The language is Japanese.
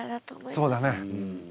そうだね。